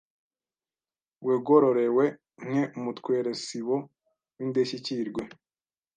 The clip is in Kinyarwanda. wegororewe nke mutweresibo w’Indeshyikirwe